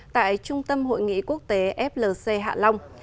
tại trung tâm hội nghị quốc tế flc hạ long